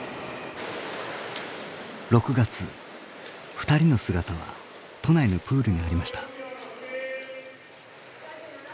２人の姿は都内のプールにありました。